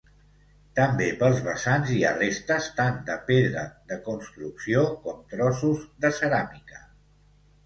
També pels vessants hi ha restes, tant de pedra de construcció com trossos de ceràmica.